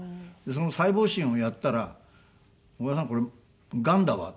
その細胞診をやったら「小倉さんこれがんだわ」